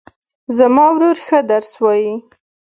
زما ورور ښه درس وایي